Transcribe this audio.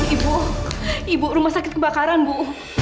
ibu ibu rumah sakit kebakaran bu